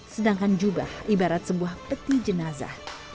sedangkan jubah ibarat sebuah peti jenazah